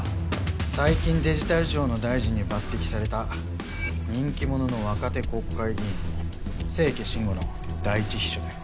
最近デジタル庁の大臣に抜擢された人気者の若手国会議員清家真吾の第一秘書だよ。